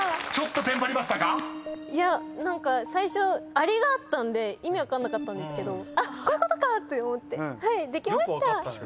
何か最初「あり」があったんで意味分かんなかったんですけどこういうことか！って思ってできました。